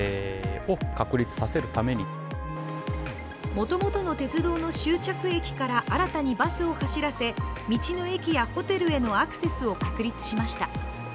もともとの鉄道の終着駅から新たにバスを走らせ道の駅やホテルへのアクセスを確立しました。